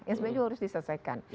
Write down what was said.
yang sebenarnya juga harus diselesaikan